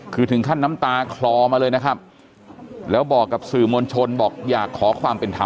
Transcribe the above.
คือถึงขั้นน้ำตาคลอมาเลยนะครับแล้วบอกกับสื่อมวลชนบอกอยากขอความเป็นธรรม